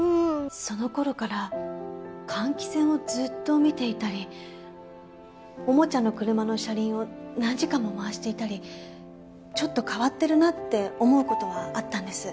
その頃から換気扇をずっと見ていたりおもちゃの車の車輪を何時間も回していたりちょっと変わってるなって思う事はあったんです。